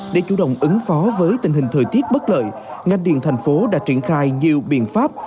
để chủ động ứng phó với tình hình thời tiết bất lợi ngành điện thành phố đã triển khai nhiều biện pháp